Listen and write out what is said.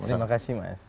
terima kasih mas